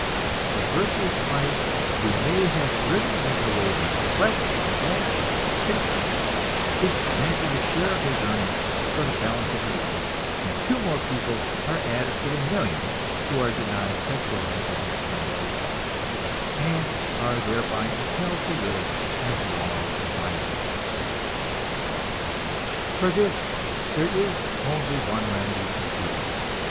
The virtuous wife, who may have driven the man away by neglect or vanity or stupidity, is granted a share of his earnings for the balance of her life; and two more people are added to the millions who are denied sexual happiness under the law, and are thereby impelled to live as law violators. For this there is only one remedy conceivable.